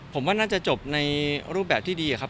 ผมว่าน่าจะจบในรูปแบบที่ดีครับ